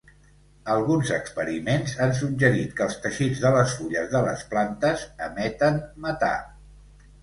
Alguns experiments han suggerit que els teixits de les fulles de les plantes emeten metà.